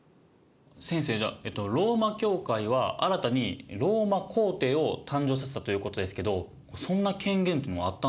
先生じゃあローマ教会は新たにローマ皇帝を誕生させたということですけどそんな権限ってあったんですか？